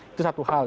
itu satu hal ya